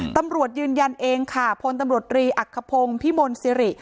ตำรวจยืนยันเองค่ะพลตำรวจรีอักขพงศ์พิมลสิริ